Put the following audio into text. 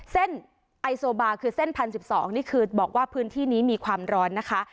ไอโซบาคือเส้น๑๐๑๒นี่คือบอกว่าพื้นที่นี้มีความร้อนนะคะ